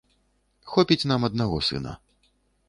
Хопіць нам аднаго сына.